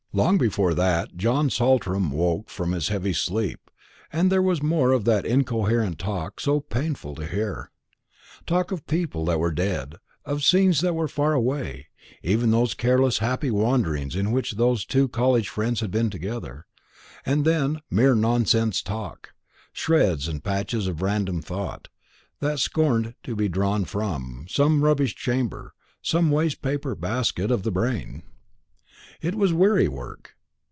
Long before that John Saltram woke from his heavy sleep, and there was more of that incoherent talk so painful to hear talk of people that were dead, of scenes that were far away, even of those careless happy wanderings in which those two college friends had been together; and then mere nonsense talk, shreds and patches of random thought, that scorned to be drawn from some rubbish chamber, some waste paper basket of the brain. It was weary work.